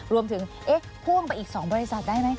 รวมถึงเอ๊ะพ่วงไปอีกสองบริษัทได้ไหม